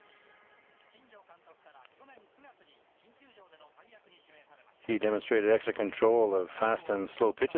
新庄監督から去年９月に新球場での大役に指名されました。